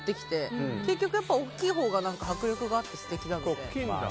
結局、大きいほうが迫力があって素敵だなと。